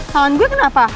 tangan gue kenapa